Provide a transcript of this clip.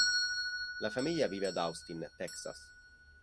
La famiglia vive ad Austin, Texas.